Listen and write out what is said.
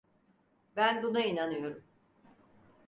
Ben buna inanıyorum.